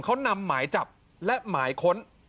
เขานำหมายจับและหมายค้น